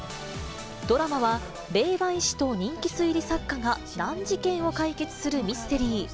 ドラマは、霊媒師と人気推理作家が難事件を解決するミステリー。